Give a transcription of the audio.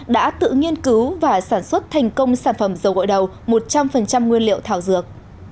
đã tự nghiên cứu và sản xuất thành công sản phẩm dầu gội đầu một trăm linh nguyên liệu thảo dược